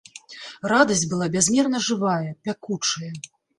Радасць была бязмерна жывая, пякучая.